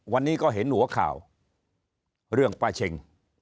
วันนี้ก็เห็นหัวข่าวเรื่องป้าเช็ง